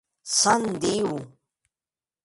Sant Diu!